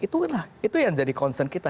itulah itu yang jadi concern kita